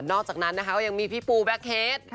อกจากนั้นนะคะก็ยังมีพี่ปูแบ็คเฮด